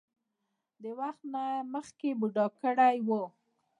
د وخت نه مخکښې بوډا کړے وۀ ـ